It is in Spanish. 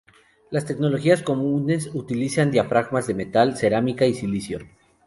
Las tecnologías comunes utilizan diafragmas de metal, cerámica y silicio.